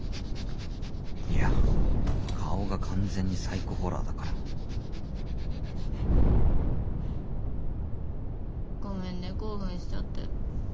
いや顔が完全にサイコホラーだからごめんね興奮しちゃって。